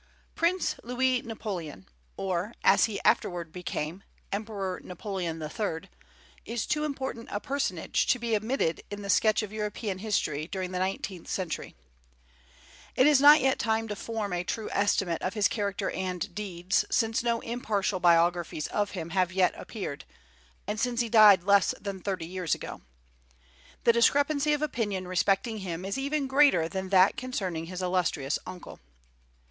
Prince Louis Napoleon, or, as he afterward became, Emperor Napoleon III., is too important a personage to be omitted in the sketch of European history during the nineteenth century. It is not yet time to form a true estimate of his character and deeds, since no impartial biographies of him have yet appeared, and since he died less than thirty years ago. The discrepancy of opinion respecting him is even greater than that concerning his illustrious uncle.